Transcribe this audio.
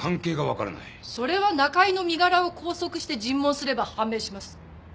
それは中井の身柄を拘束して尋問すれば判明します